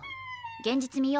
現実見よ。